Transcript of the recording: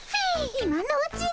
今のうちに。